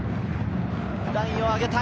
ラインを上げたい。